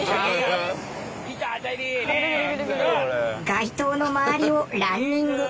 街灯の周りをランニング。